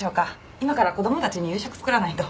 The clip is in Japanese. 今から子供たちに夕食作らないと。